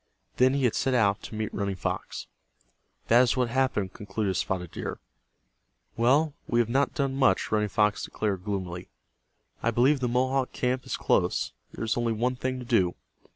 Then he had set out to meet Running Fox. "That is what happened," concluded Spotted Deer. "Well, we have not done much," Running Fox declared, gloomily. "I believe the Mohawk camp is close. There is only one thing to do.